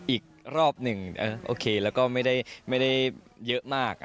อีกรอบหนึ่งโอเคแล้วก็ไม่ได้เยอะมาก